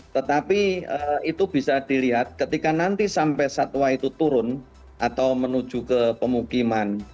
tetapi itu bisa dilihat ketika nanti sampai satwa itu turun atau menuju ke pemukiman